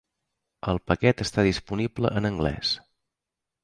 El paquet està disponible en anglès.